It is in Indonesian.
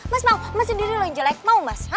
mas mau mas sendiri lo yang jelek mau mas